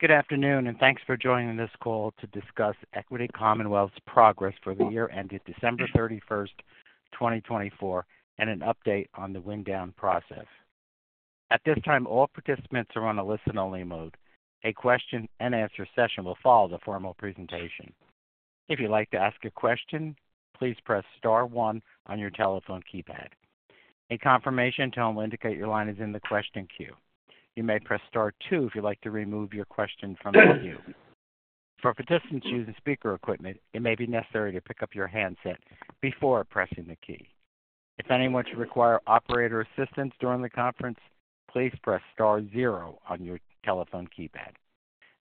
Good afternoon, and thanks for joining this call to discuss Equity Commonwealth's progress for the year ended December 31, 2024, and an update on the wind-down process. At this time, all participants are on a listen-only mode. A question-and-answer session will follow the formal presentation. If you'd like to ask a question, please press star one on your telephone keypad. A confirmation tone will indicate your line is in the question queue. You may press star two if you'd like to remove your question from the queue. For participants using speaker equipment, it may be necessary to pick up your handset before pressing the key. If anyone should require operator assistance during the conference, please press star zero on your telephone keypad.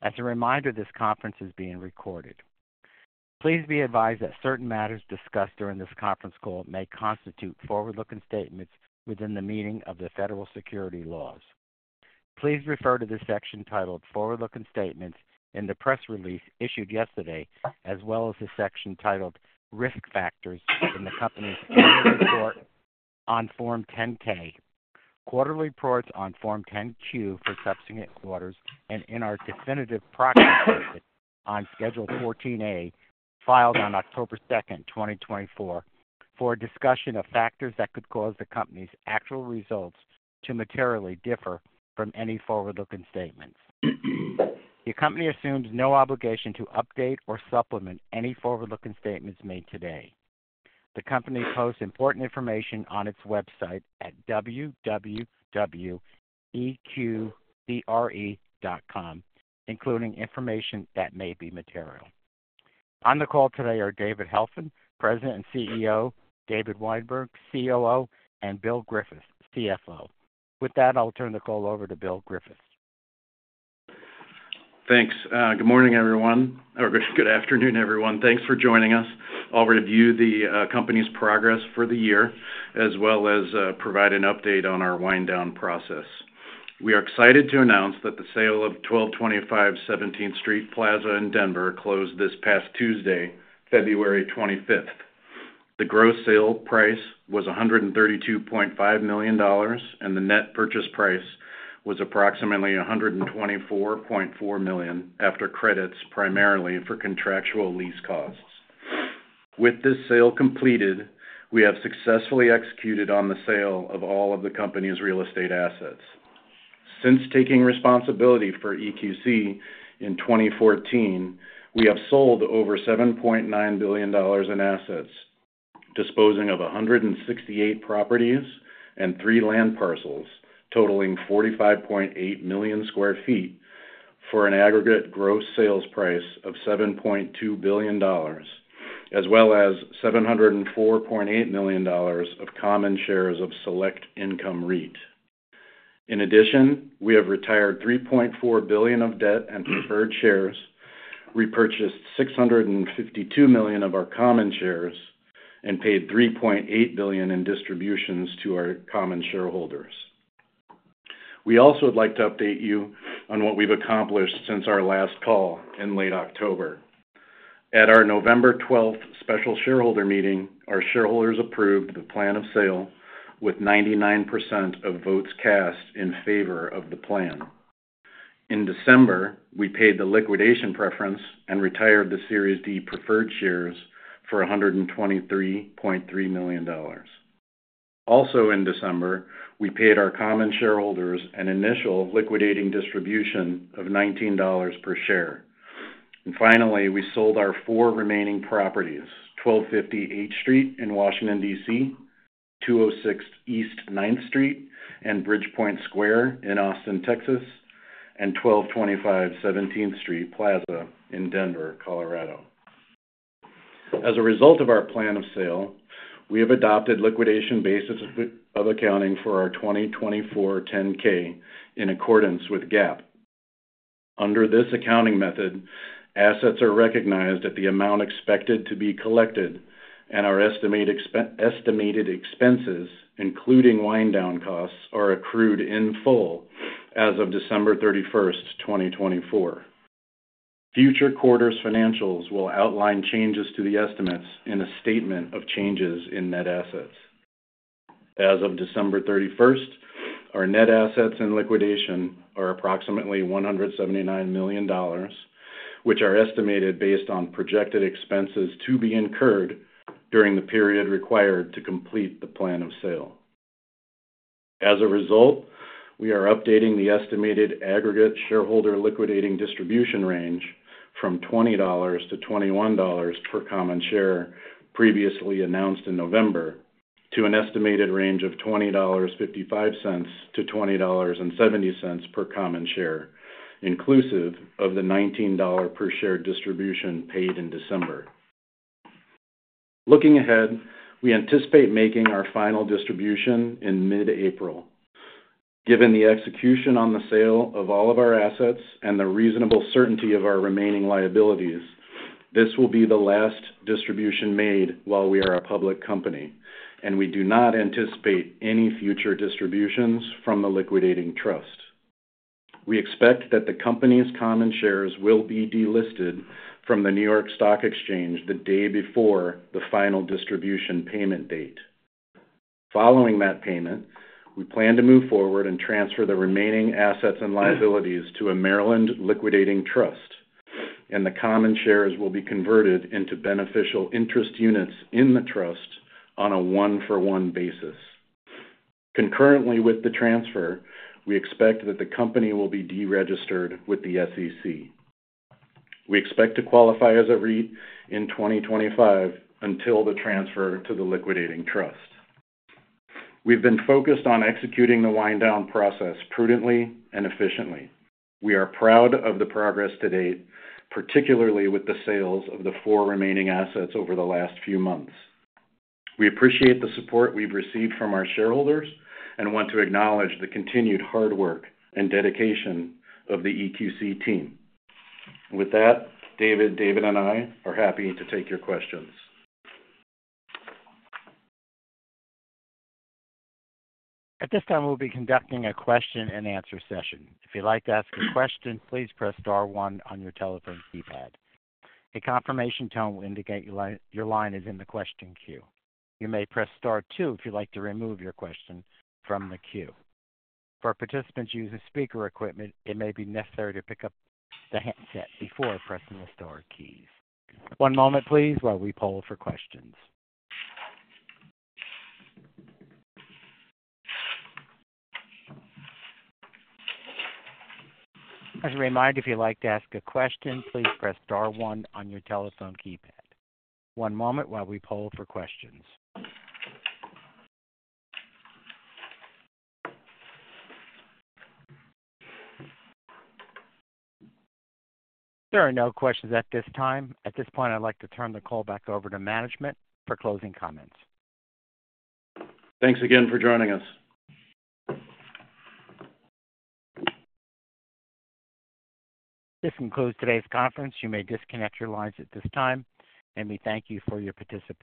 As a reminder, this conference is being recorded. Please be advised that certain matters discussed during this conference call may constitute forward-looking statements within the meaning of the federal securities laws. Please refer to the section titled Forward-Looking Statements in the press release issued yesterday, as well as the section titled Risk Factors in the Company's Annual Report on Form 10-K, Quarterly Reports on Form 10-Q for subsequent quarters, and in our Definitive Proxy Statement on Schedule 14A filed on October 2, 2024, for a discussion of factors that could cause the company's actual results to materially differ from any forward-looking statements. The company assumes no obligation to update or supplement any forward-looking statements made today. The company posts important information on its website at www.eqc.com, including information that may be material. On the call today are David Helfand, President and CEO; David Weinberg, COO; and Bill Griffiths, CFO.With that, I'll turn the call over to Bill Griffiths. Thanks. Good morning, everyone. Or good afternoon, everyone. Thanks for joining us. I'll review the company's progress for the year, as well as provide an update on our wind-down process. We are excited to announce that the sale of 1225 17th Street Plaza in Denver closed this past Tuesday, February 25th. The gross sale price was $132.5 million, and the net purchase price was approximately $124.4 million after credits primarily for contractual lease costs. With this sale completed, we have successfully executed on the sale of all of the company's real estate assets. Since taking responsibility for Equity Commonwealth in 2014, we have sold over $7.9 billion in assets, disposing of 168 properties and three land parcels totaling 45.8 million sq ft for an aggregate gross sales price of $7.2 billion, as well as $704.8 million of common shares of Select Income REIT. In addition, we have retired $3.4 billion of debt and preferred shares, repurchased $652 million of our common shares, and paid $3.8 billion in distributions to our common shareholders. We also would like to update you on what we've accomplished since our last call in late October. At our November 12th special shareholder meeting, our shareholders approved the plan of sale with 99% of votes cast in favor of the plan. In December, we paid the liquidation preference and retired the Series D preferred shares for $123.3 million. Also, in December, we paid our common shareholders an initial liquidating distribution of $19 per share. Finally, we sold our four remaining properties: 1250 H Street in Washington, D.C. 206 East 9th Street and Bridgepoint Square in Austin, Texas, and 1225 17th Street Plaza in Denver, Colorado. As a result of our plan of sale, we have adopted liquidation basis of accounting for our 2024 10-K in accordance with GAAP. Under this accounting method, assets are recognized at the amount expected to be collected, and our estimated expenses, including wind-down costs, are accrued in full as of December 31, 2024. Future quarter's financials will outline changes to the estimates in a statement of changes in net assets. As of December 31, our net assets in liquidation are approximately $179 million, which are estimated based on projected expenses to be incurred during the period required to complete the plan of sale. As a result, we are updating the estimated aggregate shareholder liquidating distribution range from $20-$21 per common share previously announced in November to an estimated range of $20.55-$20.70 per common share, inclusive of the $19 per share distribution paid in December. Looking ahead, we anticipate making our final distribution in mid-April. Given the execution on the sale of all of our assets and the reasonable certainty of our remaining liabilities, this will be the last distribution made while we are a public company, and we do not anticipate any future distributions from the liquidating trust. We expect that the company's common shares will be delisted from the New York Stock Exchange the day before the final distribution payment date. Following that payment, we plan to move forward and transfer the remaining assets and liabilities to a Maryland liquidating trust, and the common shares will be converted into beneficial interest units in the trust on a one-for-one basis. Concurrently with the transfer, we expect that the company will be deregistered with the SEC. We expect to qualify as a REIT in 2025 until the transfer to the liquidating trust. We've been focused on executing the wind-down process prudently and efficiently. We are proud of the progress to date, particularly with the sales of the four remaining assets over the last few months. We appreciate the support we've received from our shareholders and want to acknowledge the continued hard work and dedication of the EQC team. With that, David, David and I are happy to take your questions. At this time, we'll be conducting a question-and-answer session. If you'd like to ask a question, please press star one on your telephone keypad. A confirmation tone will indicate your line is in the question queue. You may press star two if you'd like to remove your question from the queue. For participants using speaker equipment, it may be necessary to pick up the handset before pressing the star keys. One moment, please, while we poll for questions. As a reminder, if you'd like to ask a question, please press star one on your telephone keypad. One moment while we poll for questions. There are no questions at this time. At this point, I'd like to turn the call back over to management for closing comments. Thanks again for joining us. This concludes today's conference. You may disconnect your lines at this time, and we thank you for your participation.